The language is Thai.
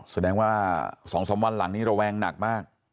แสดงว่าสองสามวันหลานนี้ระแวงหนักมาก